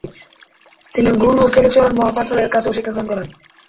তিনি 'গুরু কেলুচরণ মহাপাত্র'-এর কাছেও শিক্ষা গ্রহণ করেন।